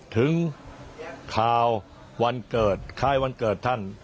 ถึงข่าววันเกิดคล้ายวันเกิดท่าน